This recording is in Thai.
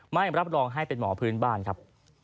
ไม่รับรองให้เป็นหมอพื้นบ้านครับ